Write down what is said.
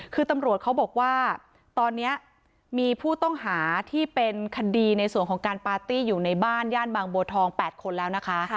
คือตำรวจเขาบอกว่าตอนนี้มีผู้ต้องหาที่เป็นคดีในส่วนของการปาร์ตี้อยู่ในบ้านย่านบางบัวทอง๘คนแล้วนะคะ